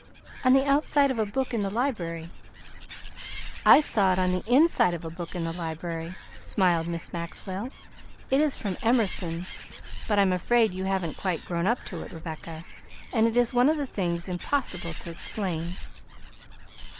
"On the outside of a book in the library." "I saw it on the inside of a book in the library," smiled Miss Maxwell. "It is from Emerson, but I'm afraid you haven't quite grown up to it, Rebecca, and it is one of the things impossible to explain."